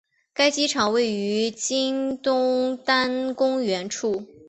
该机场位于今东单公园处。